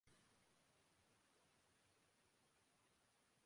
اور ان کا ایک ہی جواب ہوتا ہے